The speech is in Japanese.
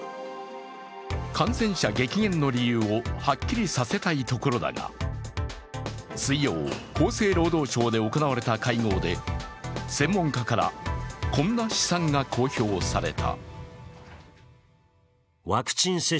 感染者激減の理由をはっきりさせたいところだが水曜、厚生労働省で行われた会合で専門家から、こんな試算が公表された。